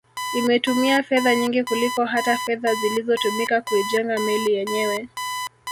Imetumia fedha nyingi kuliko hata fedha zilizotumika kuijenga meli yenyewe